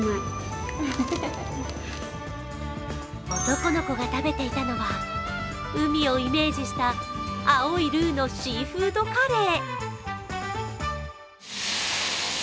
男の子が食べていたのは、海をイメージした青いルウのシーフードカレー。